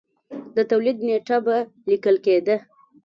د تولید نېټه به لیکل کېده